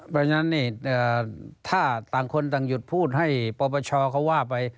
เพราะฉะนั้นถ้าต่างคนต่างหยุดพูดให้ปปชเขาว่าไป